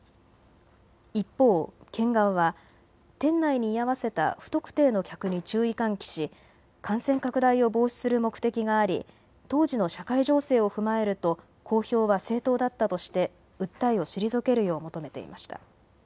一方、県側は店内に居合わせた不特定の客に注意喚起し感染拡大を防止する目的があり当時の社会情勢を踏まえると公表は正当だったとして訴えを退けるよう求めていました。